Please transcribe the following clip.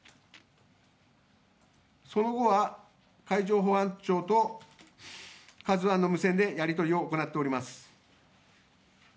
その後は海上保安庁と「ＫＡＺＵⅠ」の無線でやり取りを行っております。